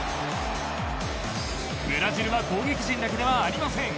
ブラジルは攻撃陣だけではありません。